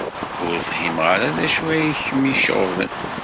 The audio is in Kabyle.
Ur fhimeɣ ara d acu ay kem-iceɣben.